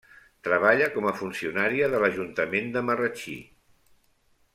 Treballa com a funcionària de l'Ajuntament de Marratxí.